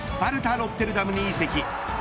ロッテルダムに移籍。